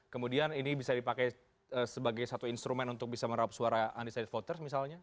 kemudian ini bisa dipakai sebagai satu instrumen untuk bisa merap suara undecided voters misalnya